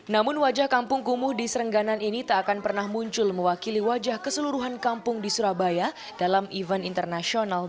namun wajah kampung kumuh di serengganan ini tak akan pernah muncul mewakili wajah keseluruhan kampung di surabaya dalam event internasional